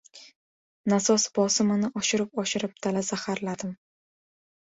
Nasos bosimini oshirib-oshirib dala zaharladim.